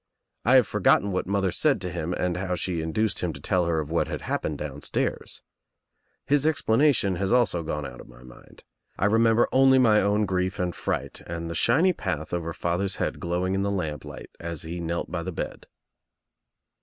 I have for gotten what mother said to him and how she in duced him to tell her of what had happened down stairs. His explanation also has gone out of my mind. I remember only my own grief and fright and the shiny path over father's head glowing in the lamp light as he knelt by the bed.